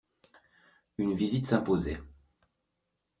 Une visite s’imposait.